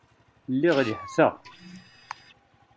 Lliɣ lehhteɣ.